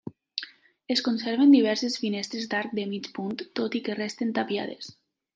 Es conserven diverses finestres d'arc de mig punt, tot i que resten tapiades.